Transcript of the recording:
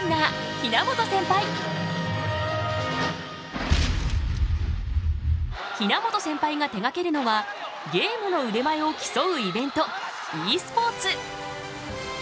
比奈本センパイが手がけるのはゲームの腕前を競うイベントｅスポーツ。